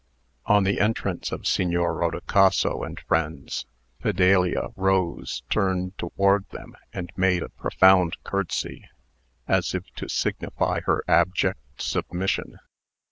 On the entrance of Signor Rodicaso and friends, Fidelia rose, turned toward them, and made a profound courtesy, as if to signify her abject submission.